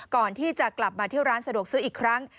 ก่อนที่จะกลับมาเที่ยวร้านสะดวกซื้ออีกครั้ง